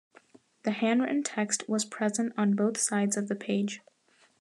The hand written text was present on both sides of the page.